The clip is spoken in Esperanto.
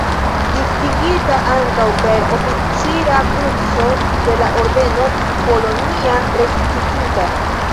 Distingita ankaŭ per Oficira Kruco de la Ordeno "Polonia Restituta".